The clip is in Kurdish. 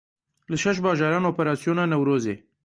Li şeş bajaran operasyona Newrozê.